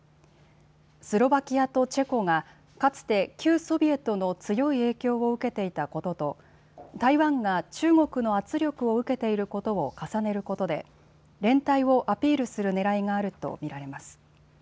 スロバキアとチェコがかつて旧ソビエトの強い影響を受けていたことと台湾が中国の圧力を受けていることを重ねることで連帯をアピールするねらいがあると見られます。